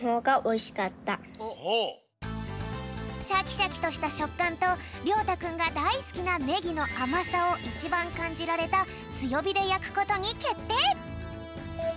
シャキシャキとしたしょっかんとりょうたくんがだいすきなねぎのあまさをいちばんかんじられたつよびでやくことにけってい！